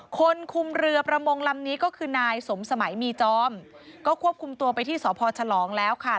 คนคุมเรือประมงลำนี้ก็คือนายสมสมัยมีจอมก็ควบคุมตัวไปที่สพฉลองแล้วค่ะ